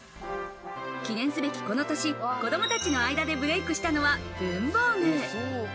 記念すべきこの年、子供たちの間でブレイクしたのは文房具。